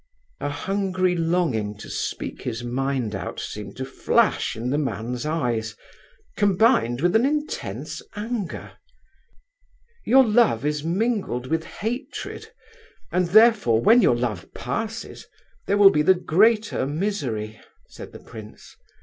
A hungry longing to speak his mind out seemed to flash in the man's eyes, combined with an intense anger. "Your love is mingled with hatred, and therefore, when your love passes, there will be the greater misery," said the prince.